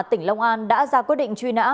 tỉnh long an đã ra quyết định truy nã